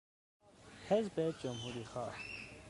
حزب جمهوریخواه